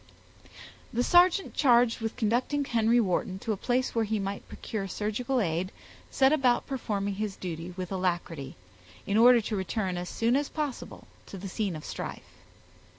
The sergeant charged with conducting Henry Wharton to a place where he might procure surgical aid, set about performing his duty with alacrity, in order to return as soon as possible to the scene of strife.